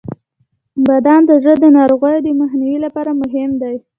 • بادام د زړه د ناروغیو د مخنیوي لپاره مهم دی.